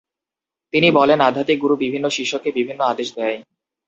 তিনি বলেন আধ্যাত্মিক গুরু বিভিন্ন শিষ্যকে বিভিন্ন আদেশ দেয়।